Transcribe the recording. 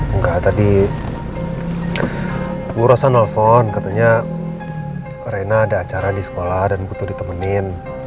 enggak tadi bu rosa nelfon katanya arena ada acara di sekolah dan butuh ditemenin